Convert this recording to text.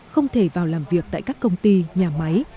không thể vào làm việc tại các công ty nhà máy